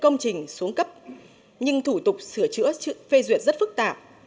công trình xuống cấp nhưng thủ tục sửa chữa phê duyệt rất phức tạp